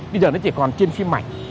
bây giờ nó chỉ còn trên phim mạch